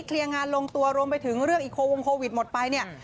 เคลียร์งานลงตัวรวมไปถึงเรื่องอีกโควงโควิดหมดไปเนี่ย